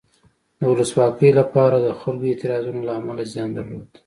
د ولسواکۍ لپاره د خلکو اعتراضونو له امله زیان درلود.